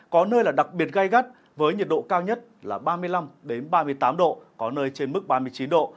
có nơi là đặc biệt gai gắt với nhiệt độ cao nhất là ba mươi năm ba mươi tám độ có nơi trên mức ba mươi chín độ